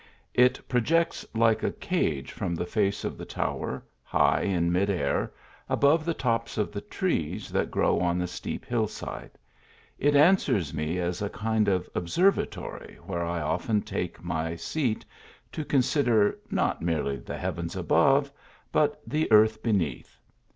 It projects like a. cage from the face of the tower, *Tiigh in mid air, above the tops of the trees that grow on the steep hill side. Ij; answers me as a kind of observatory, where I often take my seat to consider, not merely the heavens above, but the "earth beneath."